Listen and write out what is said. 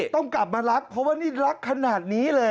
ต้องกลับมารักเพราะว่านี่รักขนาดนี้เลย